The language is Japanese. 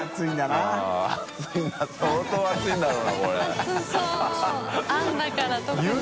熱そうあんだから特に。